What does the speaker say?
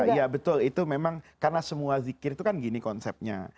iya betul itu memang karena semua zikir itu kan gini konsepnya